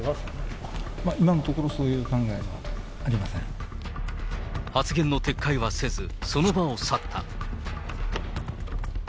今のところ、そういう考えは発言の撤回はせず、その場を去った。